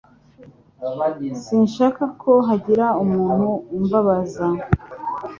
Sinshaka ko hagira umuntu umbabaza.